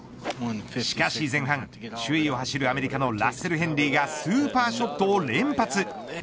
しかし前半、首位を走るアメリカのラッセル・ヘンリーがスーパーショットを連発。